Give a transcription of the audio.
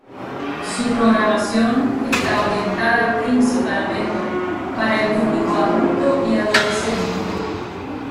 Su programación está orientada principalmente para el público adulto y adolescente.